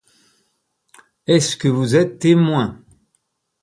Est-ce que vous êtes témoin?